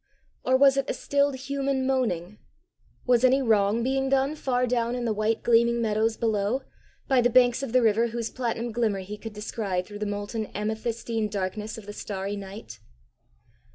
Or was it a stilled human moaning? Was any wrong being done far down in the white gleaming meadows below, by the banks of the river whose platinum glimmer he could descry through the molten amethystine darkness of the starry night?